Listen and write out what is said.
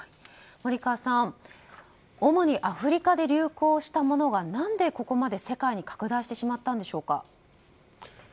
森川さん、主にアフリカで流行したものが何で、ここまで世界に拡大してしまったんでしょうか。